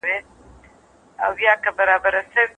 که لامبو ونه ووهئ، بدن کې فشار زیاتېږي.